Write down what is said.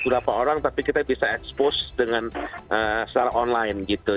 berapa orang tapi kita bisa expose dengan secara online gitu